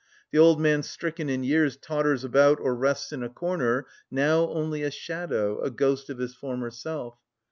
The old man stricken in years totters about or rests in a corner now only a shadow, a ghost of his former self.